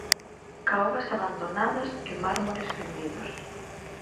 Caobas abandonadas e mármores fendidos.